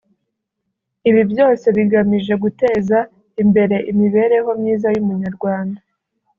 Ibi byose bigamije guteza imbere imibereho myiza y’Umunyarwanda